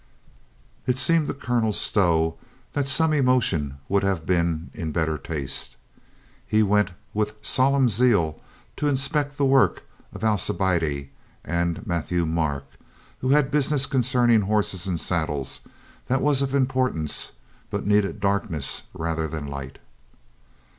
..." It seemed to Colonel Stow that some emotion would have been in better taste. He went with solemn zeal to inspect the work of Alcibiade and Matthieu Marc, who had business concerning horses and saddles that was of importance, but needed darkness rather than light.